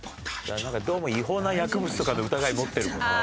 なんかどうも違法な薬物とかの疑い持ってるもんね。